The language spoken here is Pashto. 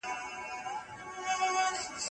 که څوک خپله ناحقي ومني بيا څه کيږي؟